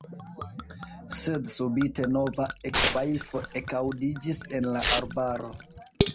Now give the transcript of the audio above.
Sed subite nova ekfajfo ekaŭdiĝis en la arbaro.